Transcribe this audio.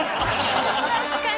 確かに！